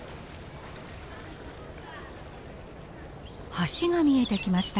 橋が見えてきました。